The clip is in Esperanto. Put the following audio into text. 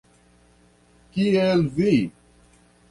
Kiel vi!